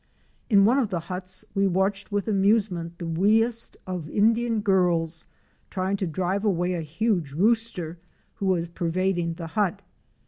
In one of the huts we watched with amusement the wee est of Indian girls trying to drive away a huge rooster who was pervading the hut.